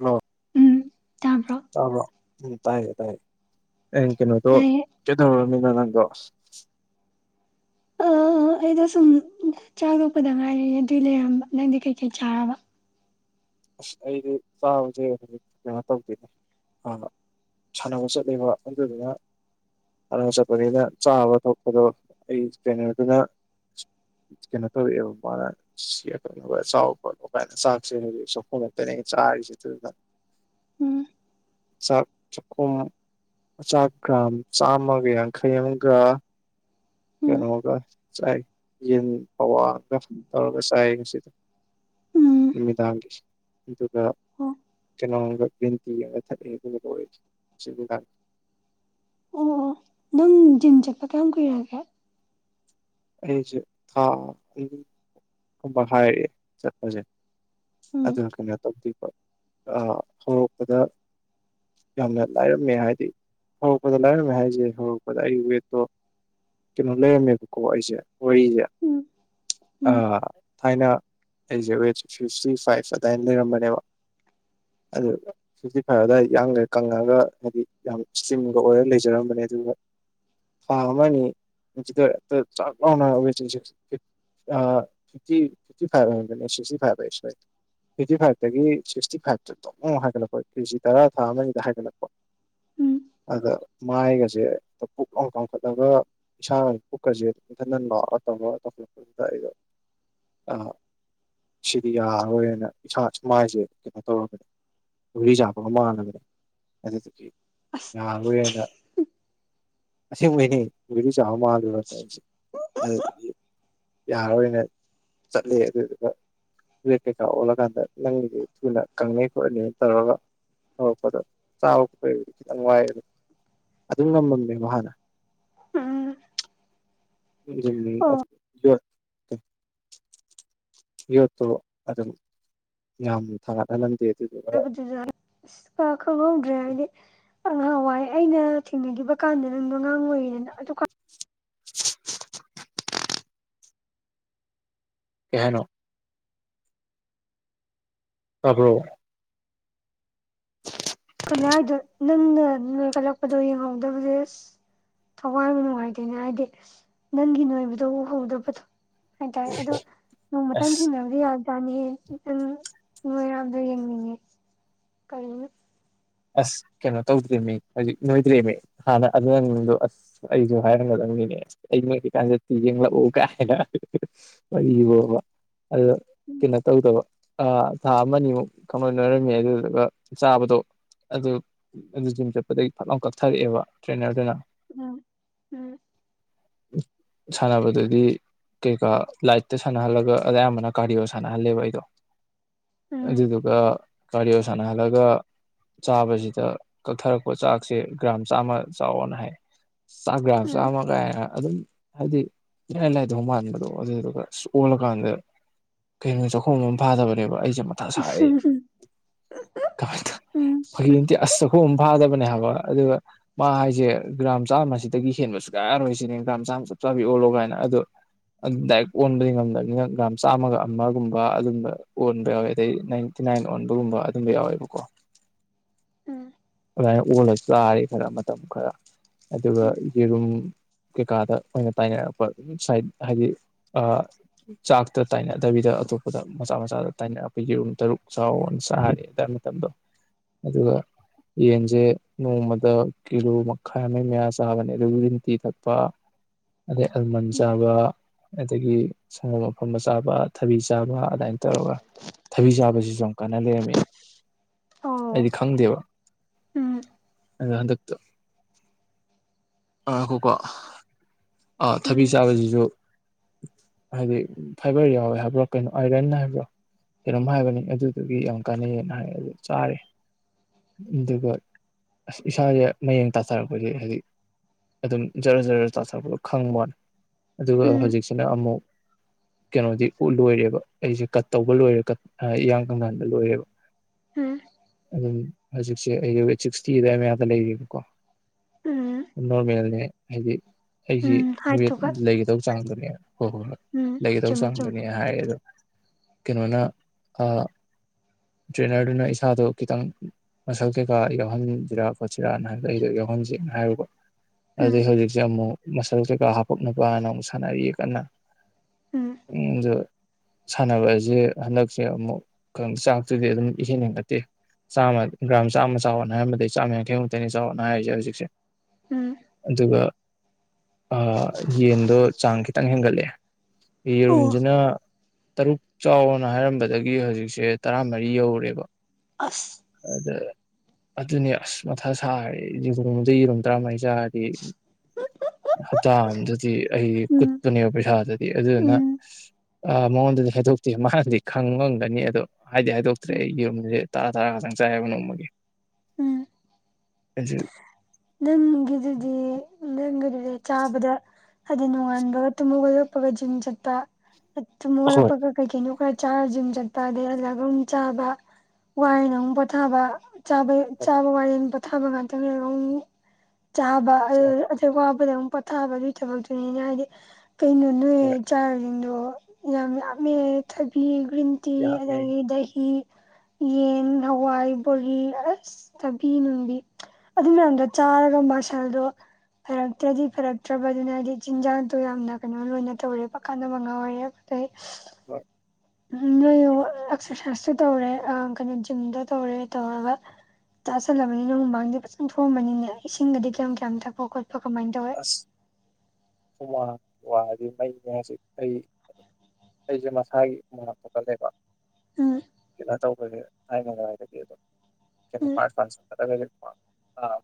ꯑꯣ ꯇꯥꯕ꯭ꯔꯣ ꯎꯝ ꯇꯥꯏꯌꯦ ꯇꯥꯏꯌꯦ ꯑꯩ ꯌꯦꯡ ꯀꯩꯅꯣꯗꯣ ꯇꯥꯏꯌꯦ ꯀꯩꯗꯧ ꯅ ꯅꯪꯗꯣ ꯑꯁ ꯑꯥ ꯑꯩꯗꯣ ꯁꯨꯝ ꯆꯥꯛꯇꯣꯛꯄꯗ ꯉꯥꯏꯔꯤ ꯑꯗꯨꯏ ꯂꯩꯔꯝꯕ ꯅꯪꯗꯤ ꯀꯩꯀꯩ ꯆꯥꯔꯕ ꯑꯁ ꯑꯩꯗꯤ ꯆꯥꯕꯖꯦ ꯍꯧꯖꯤꯛ ꯀꯩꯅꯣ ꯇꯧꯗꯦꯗ ꯑꯥ ꯁꯥꯟꯅꯕ ꯆꯠꯂꯦꯕ ꯑꯗꯨꯗꯨꯅ ꯥꯁꯥꯟꯅꯕ ꯆꯠꯄꯅꯤꯅ ꯆꯥꯕ ꯊꯣꯛꯄꯗꯣ ꯑꯩ ꯇ꯭ꯔꯦꯟꯅ꯭ꯔ ꯗꯨꯅ ꯀꯩꯅꯣ ꯇꯧꯔꯛꯑꯦꯕ ꯃꯥꯅ ꯆꯥꯎ ꯑꯣ ꯈꯣꯠꯂꯣ ꯆꯥꯛꯁꯦ ꯍꯥꯏꯗꯤ ꯃꯣꯔꯣꯛꯇꯅꯦ ꯆꯔꯤꯁꯦ ꯑꯗꯨꯗꯨꯅ ꯎꯝ ꯆꯥꯛ ꯆꯈꯣꯝ ꯆꯥꯛ ꯒ꯭ꯔꯥꯝ ꯆꯥꯝꯃꯒ ꯌꯥꯡꯈꯩ ꯑꯃꯒ ꯎꯝ ꯀꯩꯅꯣꯒ ꯆꯥꯏ ꯌꯦꯟ ꯄꯧꯋꯥ ꯑꯝꯒ ꯇꯧꯔꯒ ꯆꯥꯏꯌꯦ ꯉꯁꯤꯗ ꯎꯝ ꯅꯨꯃꯤꯗꯥꯡꯒꯤꯁꯨ ꯑꯗꯨꯒ ꯑꯣ ꯀꯩꯅꯣꯝꯒ ꯒ꯭ꯔꯤꯟꯇꯤ ꯑꯃꯒ ꯊꯛꯑꯦ ꯑꯗꯨꯒ ꯂꯣꯢꯔꯦ ꯉꯁꯤ ꯅꯨꯡꯗꯥꯡꯒꯤ ꯑꯣ ꯑꯣ ꯅꯪ ꯖꯤꯝ ꯆꯠꯄ ꯀꯌꯥꯝ ꯀꯨꯏꯔꯒꯦ ꯑꯩꯁꯦ ꯊꯥ ꯑꯅꯤ ꯑꯍꯨꯝ ꯃꯈꯥꯏ ꯆꯠꯄꯖꯦ ꯎꯝ ꯑꯗꯨꯅ ꯀꯩꯅꯣ ꯇꯧꯗꯦꯏꯕ ꯑꯥ ꯍꯧꯔꯛꯄꯗ ꯌꯥꯝꯅ ꯂꯥꯏꯔꯝꯃꯦ ꯍꯥꯏꯗꯤ ꯍꯧꯔꯛꯄꯗ ꯂꯥꯏꯔꯝꯃꯦ ꯍꯥꯏꯁꯦ ꯍꯧꯔꯛꯄꯗ ꯑꯩꯒꯤ ꯋꯦꯠꯇꯣ ꯀꯩꯅꯣ ꯂꯩꯔꯝꯃꯦꯕꯀꯣ ꯑꯩꯁꯦ ꯋꯥꯔꯤꯁꯦ ꯎꯝ ꯎꯝ ꯑꯥ ꯊꯥꯏꯅ ꯑꯩꯁꯦ ꯋꯦꯖ ꯐꯤꯐꯇꯤ ꯐꯥꯏꯚ ꯑꯗꯥꯏꯅ ꯂꯩꯔꯝꯕꯅꯦꯕ ꯑꯗꯨ ꯐꯤꯐꯇꯤ ꯐꯥꯏꯚ ꯑꯗꯨꯋꯥꯏꯗ ꯌꯥꯡꯒ ꯀꯪꯉꯒ ꯍꯥꯏꯗꯤ ꯌꯥꯝ ꯁ꯭ꯇꯔꯤꯝꯒ ꯑꯣꯏꯔꯒ ꯂꯩꯖꯔꯝꯕꯅꯤ ꯑꯗꯨꯒ ꯊꯥ ꯑꯃꯅꯤ ꯍꯧꯖꯤꯛ ꯈꯥꯇ ꯆꯛ ꯂꯥꯎꯅ ꯋꯦꯠꯁꯦ ꯑꯥ ꯐꯤꯐꯇꯤ ꯐꯤꯐꯇꯤ ꯐꯥꯏꯚ ꯍꯥꯏꯕꯅꯦ ꯁꯤꯛꯇꯤ ꯐꯥꯏꯚ ꯍꯥꯏ ꯁꯣꯏꯔꯦ ꯐꯤꯐꯇꯤ ꯐꯥꯏꯚꯇꯒꯤ ꯁꯤꯛꯁꯇꯤ ꯐꯥꯏꯚꯇ ꯇꯣꯛ ꯂꯥꯎꯅ ꯍꯥꯏꯒꯠꯂꯛꯄ ꯀꯦꯖꯤ ꯇꯔꯥ ꯊꯥ ꯑꯃꯅꯤꯗ ꯍꯥꯏꯒꯠꯂꯛꯄ ꯎꯝ ꯑꯥꯗ ꯃꯥꯏꯒꯁꯦ ꯄꯨꯛ ꯂꯥꯎꯅ ꯀꯥꯝꯈꯠꯂꯒ ꯏꯁꯥꯒ ꯄꯨꯀꯖꯦ ꯏꯊꯟ ꯊꯟꯕ ꯑꯇꯃꯥꯏ ꯇꯧꯔ ꯇꯧꯕꯗꯨꯗ ꯑꯩꯗꯣ ꯑꯥ ꯁꯤꯗꯤ ꯌꯥꯔꯣꯏꯅ ꯏꯁꯥ ꯁꯨ ꯃꯥꯏꯁꯦ ꯀꯩꯅꯣ ꯇꯧꯔꯕꯅꯦ ꯒꯨꯂꯤ ꯆꯥꯕꯒ ꯃꯥꯟꯂꯕꯅꯦ ꯑꯗꯨꯗꯨꯒꯤ ꯑꯁ ꯅꯍꯥꯟꯒꯩ ꯑꯩꯅ ꯑꯁꯦꯡꯕꯩꯅꯦ ꯒꯨꯂꯤ ꯆꯥꯕ ꯃꯥꯜꯂꯨꯔꯕꯅꯤ ꯑꯗꯨꯗꯒꯤ ꯌꯥꯔꯣꯏꯅ ꯆꯠꯂꯦ ꯑꯗꯨꯗꯨꯒ ꯋꯦꯠ ꯀꯩꯀꯥ ꯑꯣꯜꯂꯀꯥꯟꯗ ꯅꯪꯒꯤꯗꯤ ꯊꯨꯅ ꯀꯪꯅꯤ ꯈꯣꯠꯅꯤꯅ ꯇꯧꯔꯒ ꯍꯧꯔꯛꯄꯗ ꯆꯥꯕ ꯈꯣꯠꯄꯩ ꯈꯤꯇꯪ ꯋꯥꯏ ꯑꯗꯨꯝ ꯉꯝꯃꯦꯕ ꯍꯥꯟꯅ ꯎꯝ ꯑꯣ [unintelligible] ꯌꯣꯠꯇꯣ ꯑꯗꯨꯝ ꯌꯥꯝ ꯊꯥꯡꯒꯠꯍꯜꯂꯝꯗꯦꯕ ꯍꯥꯏꯕꯗꯨꯗ ꯑꯥ ꯈꯪꯍꯧꯗ꯭ꯔꯦ ꯍꯥꯏꯗꯤ ꯉꯍꯥꯟꯋꯥꯏ ꯑꯩꯅ ꯊꯦꯡꯅꯈꯤꯕ ꯀꯥꯟꯗ ꯅꯪꯅ ꯑꯉꯥꯡ ꯑꯣꯏꯔꯤꯗꯅ ꯑꯗꯨ ꯀꯥꯟ [inaudible] ꯀꯩꯍꯥꯏꯅꯣ ꯇꯥꯕ꯭ꯔꯣ ꯅꯤ ꯍꯥꯏꯗꯣ ꯅꯪꯅ ꯅꯣꯏꯈꯠꯂꯛꯄꯗꯣ ꯌꯦꯡꯍꯧꯗꯕꯗꯦ ꯊꯋꯥꯏꯕꯨ ꯅꯨꯡꯉꯥꯏꯇꯦꯅꯦ ꯍꯥꯏꯗꯤ ꯅꯪꯒꯤ ꯅꯣꯏꯕꯗꯣ ꯎꯍꯧꯗꯕꯗꯣ ꯍꯥꯏꯇꯥꯔꯦ ꯑꯗꯣ ꯅꯣꯡ ꯃꯇꯪ ꯑꯁ ꯊꯦꯡꯅꯍꯟꯕꯗꯤ ꯌꯥꯕꯅꯦ ꯆꯥꯅꯤꯌꯦ ꯅꯪ ꯅꯣꯏ ꯍꯥꯏꯕꯗꯣ ꯌꯦꯡꯅꯤꯡꯉꯦ ꯀꯔꯤꯅꯣ ꯑꯁ ꯀꯩꯅꯣ ꯇꯧꯗ꯭ꯔꯤꯃꯤ ꯍꯧꯖꯤꯛ ꯅꯣꯏꯗ꯭ꯔꯤꯃꯤ ꯍꯥꯟꯅ ꯑꯗꯨꯅ ꯅꯪꯗꯣ ꯑꯁ ꯑꯩꯁꯨ ꯍꯥꯏꯔꯝꯒꯗ ꯅꯦ ꯑꯩ ꯅꯤꯏꯔꯤꯀꯥꯟꯗ ꯌꯦꯡꯂꯛꯎ ꯀꯥꯏꯅ ꯋꯥꯔꯤꯗꯤ ꯑꯎ ꯀꯩꯅꯣ ꯇꯧꯗꯕ ꯑ ꯊꯥ ꯑꯃꯅꯤ ꯑꯅꯤꯃꯨꯛ ꯈꯪ ꯅꯣꯏ ꯅꯣꯏꯔꯝꯃꯦ ꯑꯗꯨꯗꯨꯒ ꯆꯥꯕꯗꯣ ꯑꯗꯨ ꯑꯗꯨ ꯖꯤꯝ ꯆꯠꯄꯗꯒꯤ ꯐꯠꯂꯥꯎꯅ ꯀꯛꯊꯔꯛꯑꯦꯕ ꯇ꯭ꯔꯦꯅꯔꯗꯨꯅ ꯎꯝ ꯎꯝ ꯁꯥꯟꯅꯕꯗꯗꯤ ꯀꯩꯀꯥ ꯂꯥꯏꯠꯇ ꯁꯥꯟꯅꯍꯜꯂꯒ ꯑꯌꯥꯝꯕꯅ ꯀꯥꯔꯗꯤꯑꯣ ꯁꯥꯟꯅꯍꯜꯂꯦꯕ ꯑꯩꯗꯣ ꯎꯝ ꯑꯗꯨꯗꯨꯒ ꯀꯥꯔꯗꯤꯌꯣ ꯁꯥꯟꯅꯍꯜꯂꯒ ꯆꯥꯕꯁꯤꯗ ꯀꯛꯊꯔꯛꯄ ꯆꯥꯛꯁꯦ ꯒ꯭ꯔꯥꯝ ꯆꯥꯝꯃ ꯆꯥꯎꯑꯣꯅ ꯍꯥꯏ ꯆꯥꯛ ꯎꯝ ꯎꯝ ꯆꯥꯝꯃꯒꯥꯏ ꯑꯗꯨꯝ ꯍꯥꯏꯗꯤ ꯏꯔꯥꯏ ꯂꯥꯏꯗꯣꯏ ꯃꯥꯟꯕꯗꯣ ꯑꯗꯨꯗꯨꯒ ꯑꯁ ꯑꯣꯂꯀꯥꯟꯗ ꯀꯩꯅꯣ ꯆꯥꯛꯈꯣꯡ ꯑꯍꯨ ꯐꯥꯗꯕꯅꯦꯕ ꯑꯩꯁꯦ ꯃꯊ ꯁꯥꯔꯦ ꯀꯥꯟꯗ ꯎꯝ ꯐꯩꯌꯦꯡꯒꯤ ꯑꯁ ꯆꯈꯣꯝ ꯑꯃꯥ ꯐꯥ ꯐꯥꯗꯕꯅꯦ ꯍꯥꯏꯕ ꯑꯗꯨꯒ ꯃꯥ ꯍꯥꯏꯁꯦ ꯒ꯭ꯔꯥꯝ ꯆꯥꯝꯃꯁꯤꯗꯒꯤ ꯍꯦꯟꯕ ꯁꯨꯛꯌꯥ ꯌꯥꯔꯣꯏꯁꯤꯅꯦ ꯒ꯭ꯔꯥꯝ ꯆꯥꯝꯃ ꯆꯄ ꯆꯥꯕꯤ ꯑꯣꯜꯂꯣ ꯀꯥꯏꯅ ꯑꯗꯣ ꯗꯥꯏꯔꯦꯛ ꯑꯣꯟꯕꯗꯤ ꯉꯝꯗꯕꯅꯤꯅ ꯒ꯭ꯔꯥꯝ ꯆꯥꯝꯃꯒ ꯑꯃꯒꯨꯝꯕ ꯑꯗꯨꯝꯕ ꯑꯣꯟꯕ ꯌꯥꯎꯋꯦ ꯑꯗꯩ ꯅꯥꯏꯟ ꯑꯣꯟꯕꯒꯨꯝꯕ ꯑꯗꯨꯝꯕ ꯌꯥꯎꯋꯦꯕꯀꯣ ꯎꯝ ꯑꯗꯨꯨꯃꯥꯏꯅ ꯑꯣꯜꯂꯒ ꯆꯥꯔꯦ ꯈꯔ ꯃꯇꯝ ꯈꯔ ꯑꯗꯨꯒ ꯎꯝ ꯌꯦꯔꯨꯝ ꯀꯩꯀꯥꯗ ꯑꯣꯏꯅ ꯇꯥꯏꯅꯔꯛꯄ ꯁꯥꯏꯠ ꯍꯥꯏꯗꯤ ꯆꯥꯛꯇ ꯇꯥꯏꯅꯗꯕꯤꯗ ꯑꯇꯣꯞꯄꯗ ꯃꯆꯥ ꯃꯆꯥꯗ ꯇꯥꯏꯅꯔꯛ ꯑꯩꯈꯣꯏꯒꯤ ꯌꯦꯔꯨꯝ ꯇꯔꯨꯛ ꯆꯥꯎꯑꯣ ꯆꯥꯔꯤ ꯑꯗꯨꯗꯥꯏ ꯃꯇꯝꯗꯣ ꯑꯗꯨꯒ ꯌꯦꯟꯁꯦ ꯅꯣꯡꯃꯗ ꯀꯤꯂꯣ ꯃꯈꯥꯏ ꯑꯃ ꯃꯌꯥ ꯆꯥꯕꯅꯦ ꯑꯗ ꯒ꯭ꯔꯤꯟ ꯇꯤ ꯊꯛꯄ [inaudible] ꯑꯗꯩ ꯑꯜꯃꯟ ꯎꯝ ꯆꯥꯕ ꯑꯗꯒꯤ ꯁꯪꯒꯣꯝ ꯑꯐꯝꯕ ꯆꯥꯕ ꯊꯕꯤ ꯆꯥꯕ ꯑꯗꯨꯃꯥꯏ ꯇꯧꯔꯒ ꯊꯕꯤ ꯆꯥꯕꯁꯤꯁꯨ ꯌꯥꯝ ꯀꯥꯟꯅ ꯂꯩꯔꯝꯃꯤ ꯑꯣ ꯑꯩꯗꯤ ꯈꯪꯗꯦꯕ ꯎꯝ ꯇ ꯉꯥꯈꯣꯀꯣ ꯑꯥ ꯊꯕꯤ ꯎꯝ ꯆꯥꯕꯁꯤꯁꯨ ꯍꯥꯏꯗꯤ ꯐꯥꯏꯕꯔ ꯌꯥꯎꯋꯦ ꯍꯥꯏꯕ꯭ꯔꯣ ꯀꯩꯅꯣ ꯑꯥꯏꯔꯟ ꯍꯥꯏꯕ꯭ꯔꯣ ꯀꯩꯅꯣꯝ ꯍꯥꯏꯕꯅꯤ ꯑꯗꯨꯗꯨꯒꯤ ꯌꯥꯝ ꯀꯥꯟꯅꯩꯌꯦꯅ ꯍꯥꯏ ꯑꯗꯨ ꯆꯥꯔ ꯑꯗꯨꯒ ꯑꯁ ꯏꯁꯥꯁꯦ ꯃꯌꯦꯡ ꯇꯥꯊꯔꯛꯄꯁꯦ ꯍꯧꯖꯤꯛ ꯑꯗꯨꯝ ꯖꯔ ꯖꯔ ꯆꯥꯊꯔꯛꯄꯗꯣ ꯈꯪꯕ ꯋꯥꯅꯤ ꯑꯗꯨꯒ ꯎꯝ ꯍꯧꯖꯤꯛꯁꯤꯅ ꯑꯃꯨꯛ ꯀꯩꯅꯣꯗꯤ ꯎ ꯂꯣꯏꯔꯦꯕ ꯑꯩꯁꯦ ꯀꯠ ꯇꯧꯕ ꯂꯣꯏꯔꯦ ꯀ ꯏꯤꯌꯥꯡ ꯀꯪꯊꯍꯟꯕ ꯂꯣꯏꯔꯦꯕ ꯍꯝ ꯑꯗꯨꯝ ꯍꯧꯖꯤꯛꯁꯦ ꯑꯩꯒꯤ ꯋꯦꯠ ꯁꯤꯛꯁꯇꯤ ꯑꯗꯥꯢ ꯃꯌꯥꯗ ꯂꯩꯔꯦꯕꯀꯣ ꯎꯝ ꯅꯣꯔꯃꯦꯜꯅꯦ ꯍꯥꯏꯗꯤ ꯑꯩꯒꯤ ꯎꯝ ꯋꯦꯠ ꯍꯥꯏꯗꯨꯒ ꯂꯩꯒꯗꯕ ꯆꯥꯡꯗꯨꯅꯦꯕ ꯍꯣꯏ ꯍꯣꯏ ꯍꯣꯏ ꯎꯝ ꯂꯩꯒꯗꯧ ꯆꯨꯝꯃꯦ ꯆꯨꯝꯃꯦ ꯆꯥꯡꯗꯨꯅꯦ ꯍꯥꯏꯌꯦ ꯑꯗꯣ ꯀꯩꯅꯣꯅ ꯇ꯭ꯔꯦꯅꯔꯗꯨꯅ ꯏꯁꯥꯗꯣ ꯈꯤꯇꯪ ꯃꯁꯜ ꯀꯩꯀꯥ ꯌꯥꯎꯍꯟꯁꯤꯔꯥ ꯈꯣꯠꯁꯤꯔꯥꯅ ꯍꯥꯏꯕꯗ ꯑꯩꯗꯣ ꯌꯥꯎꯍꯟꯁꯦꯅ ꯍꯥꯏꯍꯟꯖꯦꯅ ꯍꯥꯢꯕꯀꯣ ꯑꯗꯨꯗꯨꯢ ꯎꯝ ꯍꯧꯖꯤꯛꯁꯦ ꯑꯃꯨꯛ ꯃꯁꯜ ꯀꯩꯀꯥ ꯍꯥꯄꯛꯅꯕ ꯍꯥꯏꯅ ꯑꯃꯨꯛ ꯁꯥꯟꯅꯔꯤꯌꯦ ꯀꯟꯅ ꯎꯝ ꯖ ꯁꯥꯟꯅꯕꯁꯦ ꯍꯟꯗꯛꯁꯦ ꯑꯃꯨꯛ ꯆꯥꯛꯇꯨꯗꯤ ꯑꯗꯨꯝ ꯏꯍꯦꯟ ꯍꯦꯟꯒꯠꯇꯦ ꯆꯥꯝꯃ ꯒ꯭ꯔꯥꯝ ꯆꯥꯝꯃ ꯆꯥꯎꯑꯣꯅ ꯍꯥꯏꯔꯝꯕꯗꯩ ꯆꯥꯝꯃ ꯌꯥꯡꯈꯩꯃꯨꯛꯛꯇꯅꯤ ꯆꯥꯎꯑꯣꯅ ꯍꯥꯏꯔꯤꯁꯦ ꯍꯧꯖꯤꯛꯁꯦ ꯎꯝ ꯑꯗꯨꯒ ꯑ ꯌꯦꯟꯗꯣ ꯆꯥꯡ ꯈꯤꯇꯪ ꯍꯦꯟꯒꯠꯂꯦ ꯑꯣ ꯌꯦꯔꯨꯝꯁꯤꯅ ꯇꯔꯨꯛ ꯆꯥꯎꯑꯣꯅ ꯍꯥꯏꯔꯝꯕꯗꯒꯤ ꯍꯧꯖꯤꯛꯁꯦ ꯇꯔꯥꯃꯔꯤ ꯌꯧꯔꯦꯕ ꯑꯁ ꯑꯗ ꯑꯗꯨꯅꯦ ꯑꯁ ꯃꯊꯥ ꯁꯥꯔꯦ ꯑꯩꯗꯤ ꯅꯣꯡꯃꯗ ꯌꯦꯔꯣꯝ ꯇꯔꯥꯃꯔꯤ ꯆꯥꯔꯗꯤ ꯍꯞꯇꯥ ꯑꯝꯗꯗꯤ ꯑꯩ ꯎꯝ ꯀꯨꯠꯄꯅꯦꯕ ꯄꯩꯁꯥꯗꯗꯤ ꯑꯗꯨꯗꯨꯅ ꯎꯝ ꯑ ꯃꯉꯣꯟꯗꯗꯤ ꯍꯥꯏꯗꯣꯛꯇꯦ ꯃꯁꯥꯅꯗꯤ ꯈꯪꯉꯝꯒꯅꯤ ꯑꯗꯣ ꯍꯥꯏꯗꯤ ꯍꯥꯏꯗꯣꯛꯇ꯭ꯔꯦ ꯎꯝ ꯑꯩ ꯌꯔꯨꯝꯗꯤ ꯇꯔꯥ ꯇꯔꯥ ꯇꯪ ꯆꯥꯏꯌꯦꯕ ꯅꯣꯡꯃꯒꯤ ꯎꯝ ꯑꯩꯖꯤ ꯅꯪꯒꯤꯗꯨꯗꯤ ꯂꯦꯡꯒꯅꯤ ꯗꯤ ꯆꯥꯕꯗ ꯍꯥꯏꯗꯤ ꯅꯣꯉꯥꯟꯕꯒ ꯇꯨꯝ ꯍꯧꯒꯠꯂꯛꯄꯒ ꯖꯤꯝ ꯆꯠꯄ ꯑꯗ ꯍꯣꯏ ꯅꯣꯡꯉꯥꯜꯂꯛꯄꯒ ꯀꯩ ꯀꯩꯅꯣ ꯈ ꯆꯥꯔ ꯖꯤꯝ ꯆꯠꯄ ꯑꯗꯩ ꯍꯜꯂꯛꯑꯒ ꯑꯃꯨꯛ ꯆꯥꯕ ꯋꯥꯔꯦꯅ ꯑꯃꯨꯛ ꯄꯣꯊꯥꯕ ꯆꯥꯕꯩ ꯍꯣꯏ ꯆꯥꯕ ꯋꯥꯔꯦꯅ ꯄꯣꯊꯥꯕ ꯉꯥꯛꯇꯪꯂꯩꯔꯒ ꯑꯃꯨ ꯆꯥꯕ ꯑꯗꯨ ꯆꯥꯕ ꯗꯨꯅ ꯋꯥꯕꯗꯩ ꯑꯃꯨꯛ ꯄꯣꯊꯥꯕ ꯑꯗꯨꯒꯤ ꯊꯕꯛꯇꯨꯅꯤꯅ ꯍꯥꯏꯗꯤ ꯀꯩꯅꯣ ꯅꯣꯏ ꯍꯣꯏ ꯆꯥꯔꯤꯁꯤꯡꯗꯣ ꯌꯥꯝ ꯌꯥꯝꯃꯦ ꯊꯥꯕꯤ ꯒ꯭ꯔꯤꯟ ꯇꯤ ꯌꯥꯝꯃꯦ ꯑꯗꯒꯤ ꯗꯍꯤ ꯌꯦꯟ ꯍꯋꯥꯏ ꯕꯣꯔꯤ ꯑꯁ ꯊꯕꯤ ꯅꯨꯡꯕꯤ ꯑꯗꯨ ꯃꯌꯥꯝꯗꯣ ꯆꯥꯔꯒ ꯃꯁꯜꯗꯣ ꯐꯔꯛꯇ꯭ꯔꯗꯤ ꯐꯔꯛꯇ꯭ꯔꯕ ꯑꯗꯨꯅ ꯑꯗꯨꯗꯤ ꯆꯤꯟꯖꯥꯛꯇꯣ ꯌꯥꯝꯅ ꯀꯩꯅꯣ ꯂꯣꯏꯅ ꯅꯠꯇ꯭ꯔꯕꯅꯤ ꯄꯀꯥꯗ ꯃꯉꯥꯎꯌꯦꯕ ꯑꯩ ꯍꯣꯏ ꯎ ꯅꯣꯏ ꯑꯦꯛꯁꯔꯁꯥꯏꯁ ꯁꯨ ꯇꯧꯔꯦ ꯑ ꯀꯩꯅꯣ ꯖꯤꯝꯗꯣ ꯇꯧꯔꯦ ꯇꯧꯔꯒ ꯆꯥꯁꯜꯂꯕꯅꯤꯅ ꯍꯨꯃꯥꯡꯗꯤ ꯐꯖꯅ ꯊꯣꯛꯑꯝꯃꯅꯤꯅꯦ ꯏꯁꯤꯡꯒꯗꯤ ꯀꯌꯥꯝ ꯀꯌꯥꯝ ꯊꯛꯄ ꯈꯣꯠꯄ ꯀꯃꯥꯏꯅ ꯇꯧꯋꯦ ꯑꯁ ꯍꯨꯃꯥꯡ ꯋꯥꯡꯒꯗꯤ ꯑꯩ [unintelligible] ꯑꯩ ꯑꯩꯁꯦ ꯃꯁꯥꯒꯤ ꯍꯨꯃꯥꯡ ꯌꯥꯝ ꯊꯣꯛꯀꯜꯂꯦꯕ ꯑꯝ ꯇꯧꯕꯒꯤ ꯊꯥꯏꯅꯉꯥꯏꯗꯒꯤ ꯑꯗꯨꯝ ꯀꯩꯅꯣ ꯎꯝ ꯃꯄꯥꯜ ꯂꯄꯥꯟ ꯆꯠꯄꯗꯒꯖꯦ ꯑꯥ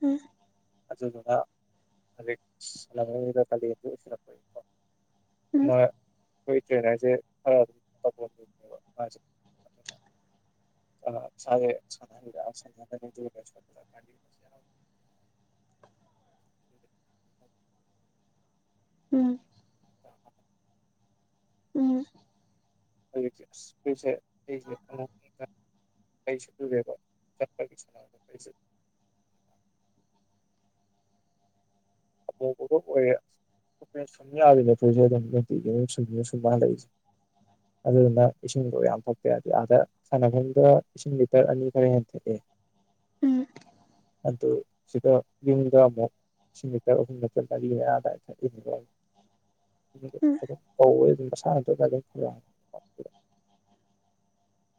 ꯍꯝ ꯑꯗꯨꯗꯨꯅ ꯍꯧꯖꯤꯛ ꯁꯁ ꯂꯥꯍꯣꯔꯗ ꯀꯥꯂꯦꯟꯁꯨ ꯑꯣꯢꯁꯤꯜꯂꯄꯒꯤꯀꯣ ꯎꯝ ꯃꯣꯢ ꯑꯩ ꯀꯩ ꯍꯥꯏꯁꯦ ꯈꯔ ꯑꯗꯨꯝ ꯇꯧꯅꯦꯕ ꯃꯥꯁꯦ [unintelligible] [inaudible] ꯎꯝ [inaudible] ꯎꯝ ꯍꯧꯖꯤꯛ ꯑꯁ ꯑꯩꯁꯦ ꯑꯩꯁꯦ ꯈꯔ ꯐꯤꯡꯒꯠ ꯀꯩꯁ ꯇꯦꯕ ꯆꯠꯄꯁ ꯑꯄꯣ ꯒꯣ ꯒꯨꯠ ꯣꯏꯦ ꯔꯦꯁ ꯑꯃ ꯌꯥꯈꯤꯗꯦ [unintelligible] ꯁꯨ ꯃꯥ ꯂꯩ ꯑꯗꯨꯗꯨꯅ ꯏꯁꯤꯡꯗꯣ ꯌꯥꯝ ꯊꯣꯛꯄꯦ ꯌꯥꯗꯗꯤ ꯑꯥꯗ ꯁꯥꯟꯅꯐꯝꯗ ꯏꯁꯤꯡ ꯂꯤꯇꯔ ꯑꯅꯤ ꯈꯔ ꯍꯦꯟ ꯊꯛꯑꯦ ꯎꯝ ꯑꯗꯨ ꯁꯤꯗ ꯌꯨꯝꯗ ꯑꯃꯨꯛ ꯁꯤ ꯑꯍꯨꯝ ꯔꯤ ꯑꯌꯥꯗꯥꯏ ꯊꯛꯏ ꯎꯝ ꯀꯧ ꯑꯗꯨꯝ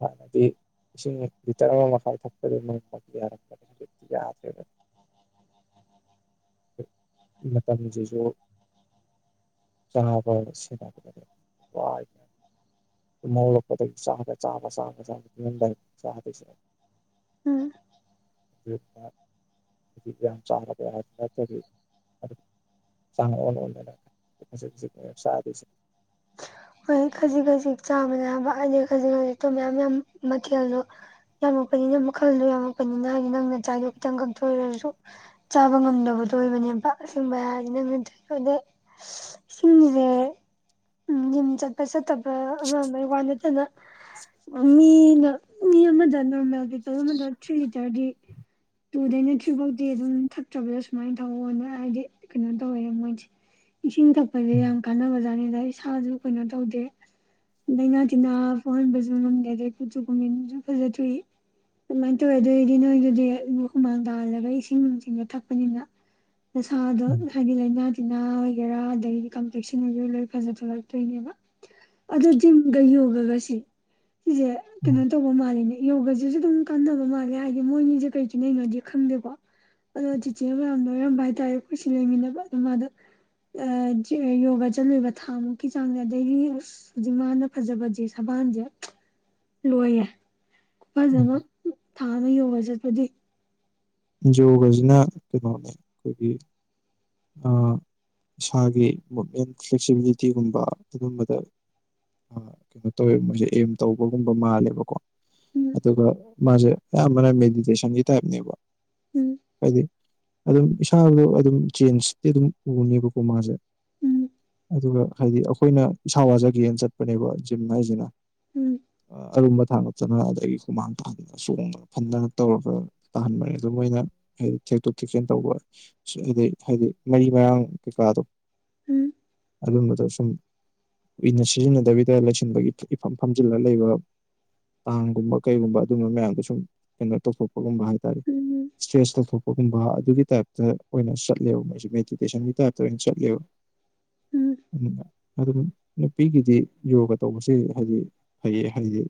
ꯁꯅꯗꯤ [unintelligible] ꯏꯁꯤꯡ ꯂꯤꯇꯔ ꯑꯃ ꯃꯈꯥ ꯊꯛꯄꯗ ꯅ ꯌꯥꯔꯒꯅꯤ ꯍꯧꯖꯤꯛꯇꯤ ꯌꯥꯈ꯭ꯔꯦ ꯃꯇꯝꯁꯤꯁꯨ [unintelligible] ꯇꯨꯝꯍꯧꯒꯠ ꯂꯛꯄꯗꯒꯤ ꯆꯥꯕꯥ ꯆꯥꯕꯥ ꯆꯥꯕꯥ ꯇꯨꯝꯃꯗꯥꯏꯐꯧ ꯆꯥꯗꯣꯏꯁꯦ ꯑꯩꯅ ꯎꯝ ꯌꯥꯝ ꯆꯔꯗ ꯌꯥ ꯆꯥꯡ ꯑꯣꯟ ꯑꯣꯟꯗꯅ ꯈꯖꯤꯛꯡ ꯈꯖꯤꯛ ꯅꯦꯕ ꯆꯥꯗꯣꯏꯁꯦ ꯍꯣꯏ ꯈꯖꯤꯛ ꯈꯖꯤꯛ ꯆꯥꯕꯅꯦ ꯍꯥꯏꯕ ꯈꯖꯤꯛ ꯈꯖꯤꯛꯇꯣ ꯃꯌꯥꯝ ꯌꯥꯝ ꯃꯊꯦꯜꯗꯣ ꯌꯥꯝꯃꯛꯄꯅꯤꯅ ꯃꯈꯜꯗꯣ ꯌꯥꯝꯃꯛꯄꯅꯤꯅ ꯍꯥꯏꯗꯤ ꯅꯪꯅ ꯆꯥꯏꯗꯣ ꯈꯤꯇꯪ ꯀꯛꯊꯣꯛꯁꯨ ꯆꯥꯕ ꯉꯝꯗꯕ ꯊꯣꯏꯕꯅꯦꯕꯁꯤꯡꯕ ꯍꯥꯏꯁꯤꯅ ꯃꯤꯊꯣꯏꯕ ꯑꯗ ꯏꯁꯤꯡꯁꯦ ꯎꯝ ꯌꯨꯝ ꯆꯠꯄ ꯆꯠꯇꯕ ꯑꯃ ꯑꯃꯒꯤ ꯋꯥ ꯅꯠꯇꯅ ꯃꯤꯅ ꯃꯤ ꯑꯃꯗ ꯅꯣꯔꯃꯦꯟ ꯄꯤꯄꯜ ꯑꯃꯗ ꯊꯔꯤ ꯂꯤꯇ꯭ꯔꯗꯤ ꯇꯨꯗꯩꯅ ꯊ꯭ꯔꯤ ꯐꯧꯗꯤ ꯑꯗꯨꯝ ꯊꯛꯇꯕꯗ ꯁꯨꯃꯥꯏꯅ ꯊꯧꯑꯣꯅ ꯍꯥꯏꯗꯤ ꯀꯩꯅꯣ ꯇꯧꯋꯦ ꯃꯣꯏꯗꯤ ꯏꯁꯤꯡ ꯊꯛꯄꯁꯦ ꯌꯥꯝ ꯀꯥꯟꯅꯕꯖꯥꯠꯅꯤ ꯑꯗ ꯏꯁꯁꯨ ꯀꯩꯅꯣ ꯇꯧꯗꯦ ꯂꯩꯅꯥ ꯇꯅꯥ ꯄꯛꯍꯟꯕꯁꯨ ꯉꯝꯗꯦ ꯑꯃꯗ ꯀꯁꯨꯨ ꯀꯨꯃꯦꯟꯁꯨ ꯐꯖꯊꯣꯛꯏ ꯑꯗꯨꯃꯥꯏꯅ ꯇꯧꯋꯦ ꯑꯗꯨꯑꯣꯏꯗꯤ ꯅꯣꯏꯗꯨꯗꯤ ꯍꯨꯃꯥꯡ ꯇꯥꯍꯜꯂꯒ ꯏꯁꯤꯡꯅꯨꯡ ꯆꯤꯡꯗꯣ ꯊꯛꯄꯅꯤꯅ ꯅꯁꯥꯗꯣ ꯍꯥꯏꯗꯤ ꯂꯥꯏꯅꯥ ꯇꯤꯟꯅꯥ ꯑꯣꯏꯒꯦꯔꯥ ꯑꯗꯒꯤꯗꯤ ꯀꯝꯄ꯭ꯂꯦꯛꯁꯟ ꯑꯣꯏꯒꯦꯔꯥ ꯂꯣꯏ ꯐꯖ ꯊꯣꯛꯂꯛ ꯆꯠꯇꯣꯏꯅꯦꯕ ꯑꯗꯣ ꯖꯤꯝꯒ ꯌꯣꯒꯒꯁꯦ ꯁꯤꯁꯦ ꯀꯩꯅꯣ ꯇꯧꯕ ꯃꯥꯜꯂꯤꯅꯦ ꯌꯣꯒꯁꯤꯁꯨ ꯑꯗꯨꯝ ꯀꯥꯟꯅꯕ ꯃꯥꯜꯂꯦ ꯍꯥꯏꯗꯤ ꯃꯣꯏꯅꯤꯁꯦ ꯀꯩꯁꯨꯅꯩꯅꯣꯗꯤ ꯈꯪꯗꯦꯀꯣ ꯑꯗꯣ ꯆꯤꯆꯤꯅ ꯃꯌꯥꯝ ꯂꯣꯏꯔꯝꯕ ꯍꯥꯏꯇꯥꯔꯦ ꯑꯩꯈꯣꯏꯁꯤ ꯂꯩꯃꯤꯟꯅꯕ ꯑ ꯃꯥꯗ ꯑ ꯌꯣꯒ ꯖꯠꯂꯎꯕ ꯊꯥꯃꯨꯛ ꯀ ꯆꯥꯡꯁꯦ ꯑꯗꯩꯗꯒꯤꯁ ꯍꯧꯖꯤꯛ ꯃꯥꯅ ꯐꯖꯕꯁꯦ ꯁꯕꯥꯟꯁꯦ ꯂꯣꯏꯌꯦ ꯈꯨꯐꯖ ꯑꯃ ꯊꯥꯑꯃ ꯌꯣꯒ ꯆꯠꯄꯒꯤ ꯌꯣꯒꯁꯤꯅ ꯀꯩꯅꯣ ꯑꯩꯈꯣꯏꯒꯤ ꯏꯁꯥꯒꯤ ꯃꯨꯞꯃꯦꯟ ꯐ꯭ꯂꯦꯛꯁꯤꯕꯤꯂꯤꯇꯤꯒꯨꯝꯕ ꯑꯗꯨꯝꯕꯗ ꯑ ꯀꯩꯅꯣ ꯇꯧꯋꯦꯕ ꯃꯣꯏꯁꯦ ꯑꯦꯝ ꯇꯧꯕꯒꯨꯝꯕ ꯃꯥꯜꯂꯦꯕꯀꯣ ꯎꯝ ꯑꯗꯨꯒ ꯃꯥꯁꯦ ꯃꯦꯗꯤꯇꯦꯁꯟꯒꯤ ꯇꯥꯏꯅꯦꯕ ꯎꯝ ꯑꯗꯨꯝ ꯏꯁꯥꯗ ꯑꯗꯨꯝ ꯆꯦꯟꯁꯇꯤ ꯑꯗꯨꯝ ꯎꯅꯤꯕꯀꯣ ꯃꯥꯁꯦ ꯎꯝ ꯑꯗꯨꯒ ꯍꯥꯏꯗꯤ ꯑꯩꯈꯣꯏꯅ ꯏꯁꯥ ꯋꯥꯖꯒꯦꯅ ꯆꯠꯄꯅꯦꯕ ꯖꯤꯝ ꯍꯥꯏꯁꯤꯅ ꯎꯝ ꯑꯔꯨꯝꯕ ꯊꯥꯡꯉꯛꯇꯅ ꯑꯗꯒꯤ ꯍꯨꯃꯥꯡ ꯇꯥꯗꯅ ꯆꯣꯡꯗꯅ ꯐꯟꯗꯅ ꯇꯧꯔꯒ ꯇꯥꯍꯟꯕꯅꯦ ꯑꯗꯨ ꯃꯣꯏꯅ ꯍꯥꯏꯗꯤ ꯊꯦꯛꯛꯇꯣꯛ ꯊꯦꯛꯆꯤꯟ ꯇꯧꯕ ꯍꯥꯏꯗꯩ ꯍꯥꯏꯗꯤ ꯃꯔꯤ ꯃꯔꯥꯡ ꯀꯩꯀꯥꯗꯣ ꯎꯝ ꯑꯗꯨꯝꯕꯗꯣꯁꯨꯝ ꯀꯨꯏꯅ ꯁꯤꯖꯤꯟꯅꯗꯕꯤꯗ ꯂꯩꯁꯤꯟꯕꯒꯤ ꯏꯐꯝ ꯐꯝꯖꯤꯜꯂꯒ ꯂꯩꯕ ꯇꯥꯡꯒꯨꯝꯕ ꯀꯩꯒꯨꯝꯕ ꯑꯗꯨꯝꯕ ꯃꯌꯥꯝꯗꯣ ꯁꯨꯝ ꯀꯩꯅꯣ ꯇꯧꯊꯣꯛꯄꯒꯨꯝꯕ ꯍꯥꯏꯇꯥꯔꯦ ꯎꯝ ꯏꯁꯇ꯭ꯔꯦꯁ ꯇꯧꯊꯣꯛꯄꯒꯨꯝꯕ ꯑꯗꯨꯒꯤ ꯇꯥꯏꯞꯇ ꯑꯣꯏꯅ ꯆꯠꯂꯦꯕ ꯃꯣꯏꯁꯦ ꯃꯦꯗꯤꯇꯦꯁꯟꯒꯤ ꯇꯥꯏꯞꯇ ꯑꯣꯏꯅ ꯆꯠꯂꯦꯕ ꯎꯝ [inaudible] ꯑꯗꯨꯝ ꯅꯨꯄꯤꯒꯤꯗꯤ ꯌꯣꯒ ꯇꯧꯕꯁꯦ ꯍꯥꯏꯗꯤ ꯐꯩꯌꯦ ꯍꯥꯏꯗꯤ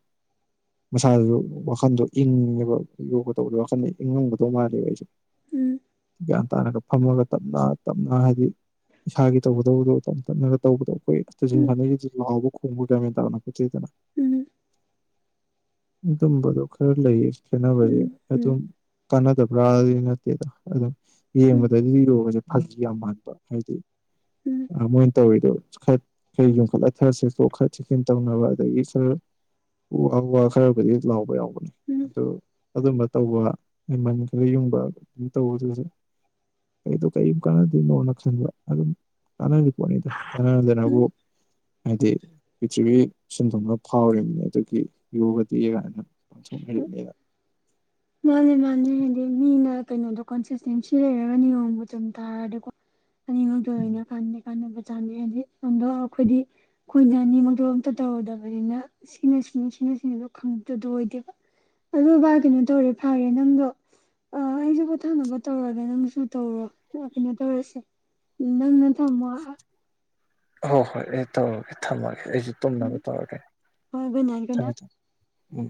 ꯃꯁꯥꯗꯨꯁꯨ ꯋꯥꯈꯟꯗꯣ ꯏꯪꯉꯉꯦꯕ ꯌꯣꯒ ꯇꯧꯕꯗ ꯋꯥꯈꯜꯗꯣ ꯏꯪꯉꯝꯒꯗꯧ ꯃꯥꯜꯂꯦꯕ ꯑꯩꯁꯨ ꯎꯝ ꯒ꯭ꯌꯥꯟ ꯇꯥꯅꯒ ꯐꯝꯃꯒ ꯇꯞꯅ ꯇꯞꯅ ꯍꯥꯏꯗꯤ ꯏꯁꯥꯒꯤ ꯇꯧꯒꯗꯕꯗꯣ ꯇꯞ ꯇꯞꯅꯒ ꯇꯧꯕꯗꯣ ꯑꯈꯣꯏ ꯖꯤꯝ ꯎꯝ ꯎꯝ ꯁꯥꯅꯩꯁꯤꯗꯤ ꯂꯥꯎꯕ ꯈꯣꯡꯕ ꯒꯌ꯭ꯥꯟ ꯃꯦꯟ ꯇꯥꯕ ꯅꯠꯄꯣꯟꯇꯦꯗꯅ ꯎꯝ ꯎꯝ ꯑꯗꯨꯝꯕꯗꯣ ꯈꯔ ꯂꯩꯌꯦ ꯈꯦꯠꯅꯕꯁꯦ ꯑꯗꯨꯝ ꯐꯠꯇꯕ꯭ꯔꯥꯗꯤ ꯅꯠꯇꯦꯗ ꯑꯗꯨꯝ ꯌꯦꯡꯕꯗꯗꯤ ꯌꯣꯒꯁꯦ ꯐꯒꯤ ꯌꯥꯝ ꯃꯥꯟꯕ ꯍꯥꯏꯗꯤ ꯎꯝ ꯎꯝ ꯃꯣꯏꯅ ꯇꯧꯋꯤꯗꯣ ꯈꯔꯥ ꯌꯨꯡꯈꯠꯂ ꯈꯔꯥ ꯁꯦꯇꯣꯛ ꯈꯔꯥ ꯊꯦꯛꯆꯤꯟ ꯇꯧꯅꯕ ꯑꯗꯒꯤ ꯈꯔ ꯎ ꯑꯥ ꯎ ꯋꯥ ꯈꯔꯕꯨꯗꯤ ꯂꯥꯎꯕ ꯌꯥꯎꯕꯅꯦ ꯎꯝ ꯑꯗꯨ ꯑꯗꯨꯝꯕ ꯇꯧꯕ ꯃꯟ ꯈꯔ ꯌꯨꯡꯕ ꯑꯗꯨꯝ ꯇꯧꯕ ꯑꯗꯨ ꯑꯩꯗꯣ ꯀꯩꯝ ꯀꯅꯗꯣꯏꯅꯣꯅ ꯈꯟꯕꯥ ꯑꯗꯨꯝ ꯀꯥꯟꯅꯔꯤ ꯄꯣꯠꯅꯤꯗꯣ ꯎꯝ [unintelligible] ꯍꯥꯏꯗꯤ ꯄ꯭ꯔꯤꯊꯔ꯭ꯤꯕꯤ ꯁꯤꯟꯊꯨꯡꯅ ꯐꯥꯎꯔꯤꯝꯅꯤ ꯑꯗꯨꯒꯤ ꯌꯣꯒ ꯗꯤ ꯀꯥꯏꯅ [unintelligible] ꯃꯥꯅꯦ ꯃꯥꯅꯦ ꯍꯥꯏꯗꯤ ꯃꯤꯅ ꯀꯩꯅꯣꯗꯣ ꯀꯟꯁꯤꯁꯇꯦꯟꯁꯤ ꯂꯩꯔꯒ ꯅꯤꯌꯣꯝꯒ ꯆꯨꯝ ꯇꯥꯔꯗꯤꯀꯣ ꯑꯅꯤꯝꯛꯇꯣ ꯂꯣꯏꯅ ꯀꯥꯟꯗꯤ ꯀꯥꯟꯅꯕ ꯖꯥꯠꯅꯦ ꯑꯗꯣ ꯑꯈꯣꯏꯗꯤ ꯑꯈꯣꯏꯗꯤ ꯑꯅꯤꯃꯛꯇꯣ ꯑꯝꯇ ꯇꯧꯔꯨꯗꯕꯅꯤꯅ ꯁꯤꯅ ꯁꯤꯅꯤ ꯁꯤꯅ ꯁꯤꯅꯤꯗꯣ ꯈꯪꯗꯗꯣ ꯑꯣꯏꯗꯦꯕ ꯑꯗꯨ ꯕꯥꯏ ꯀꯩꯅꯣ ꯇꯧꯔꯦ ꯐꯥꯔꯦ ꯅꯪꯗꯣ ꯑ ꯑꯩꯁꯨ ꯄꯣꯊꯥꯅꯕ ꯇꯧꯔꯒꯦ ꯅꯪꯁꯨ ꯇꯧꯔꯣ ꯀꯩꯅꯣ ꯇꯧꯔꯁꯦ ꯅꯪꯅ ꯊꯝꯃꯣ ꯍꯣ ꯍꯣꯏ ꯑꯩ ꯇꯧꯔꯒꯦ ꯊꯝꯃꯥꯒꯦ ꯑꯩꯁꯨ ꯎꯝ ꯇꯨꯝꯅꯕ ꯇꯧꯔꯒꯦ ꯍꯣꯏ ꯒꯨꯗ ꯅꯥꯏꯠ ꯒꯨꯗ ꯊꯝꯃꯦ ꯅꯥꯏꯠ ꯊꯝꯃꯦ ꯎꯝ